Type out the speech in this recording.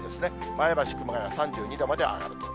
前橋、熊谷３２度まで上がると。